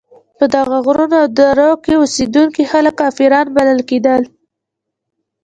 په دغو غرونو او درو کې اوسېدونکي خلک کافران بلل کېدل.